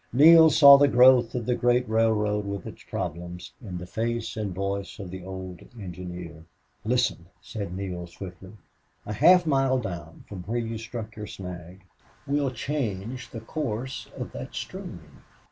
Neale saw the growth of the great railroad with its problems in the face and voice of the old engineer. "Listen," said Neale, swiftly. "A half mile down from where you struck your snag we'll change the course of that stream...